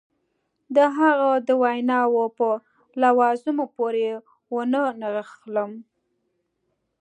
د هغه د ویناوو په لوازمو پورې ونه نښلم.